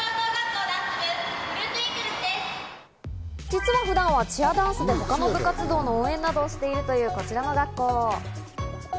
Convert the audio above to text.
実は普段はチアダンスで他の部活動の応援などをしているというこちらの学校。